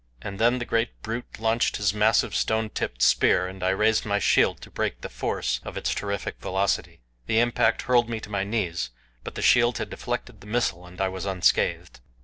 And then the great brute launched his massive stone tipped spear, and I raised my shield to break the force of its terrific velocity. The impact hurled me to my knees, but the shield had deflected the missile and I was unscathed.